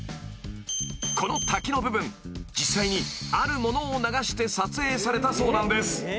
［この滝の部分実際にあるものを流して撮影されたそうなんです］